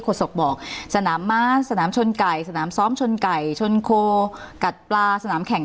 ศกบอกสนามม้าสนามชนไก่สนามซ้อมชนไก่ชนโคกัดปลาสนามแข่ง